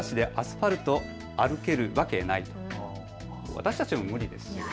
私たちも無理ですよね。